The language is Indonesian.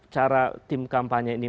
cara tim kampanye ini